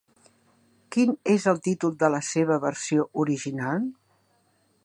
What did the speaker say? Quin és el títol de la seva versió original?